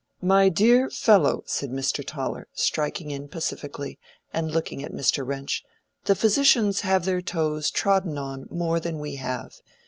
"My dear fellow," said Mr. Toller, striking in pacifically, and looking at Mr. Wrench, "the physicians have their toes trodden on more than we have.